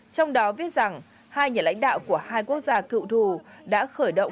trong đó viết rằng hai nhà lãnh đạo của hai quốc gia cựu thù đã khởi động